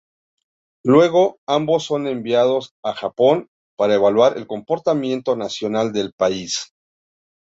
Luego, ambos son enviado a Japón para evaluar el comportamiento nacional del país.